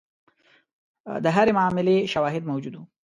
د هرې معاملې شواهد موجود وو.